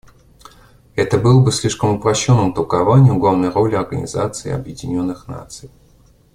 Это бы было слишком упрощенным толкованием главной роли Организации Объединенных Наций.